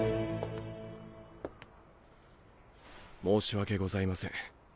申し訳ございません。